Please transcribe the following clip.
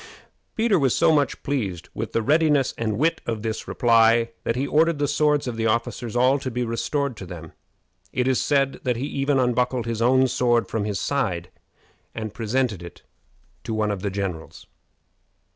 Peter was so much pleased with the readiness and wit of this reply, that he ordered the swords of the officers all to be restored to them. It is said that he even unbuckled his own sword from his side and presented it to one of the generals.